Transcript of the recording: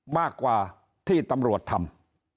มากกว่าที่ตำรวจทำ